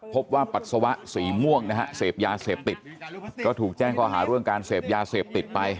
ปัสสาวะสีม่วงนะฮะเสพยาเสพติดก็ถูกแจ้งข้อหาเรื่องการเสพยาเสพติดไป